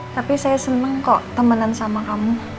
tapi saya senang kok temenan sama kamu